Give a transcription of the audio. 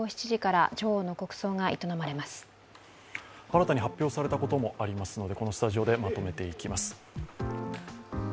新たに発表されたこともありますのでこのスタジオでまとめていきます。